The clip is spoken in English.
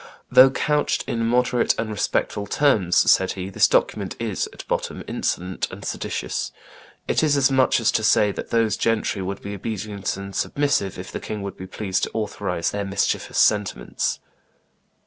"Though couched in moderate and respectful terms," said he, "this document is, at bottom, insolent and seditious; it is as much as to say that those gentry would be obedient and submissive if the king would be pleased to authorize their mischievous sentiments.